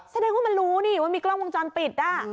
แสดงว่ามันรู้นี่ว่ามีกล้องวงจรปิด